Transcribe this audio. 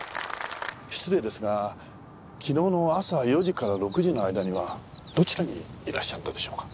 失礼ですが昨日の朝４時から６時の間にはどちらにいらっしゃったでしょうか？